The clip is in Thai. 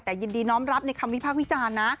แต่ยินดีน้อมรับในคำวิพากษ์วิจารณ์นะ